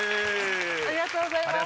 ありがとうございます。